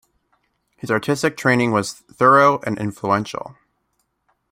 His artistic training was thorough and influential.